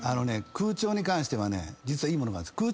空調に関してはね実はいい物があるんです。